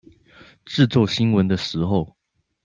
製作新聞的時候